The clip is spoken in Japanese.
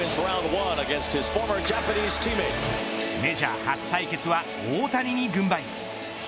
メジャー初対決は大谷に軍配。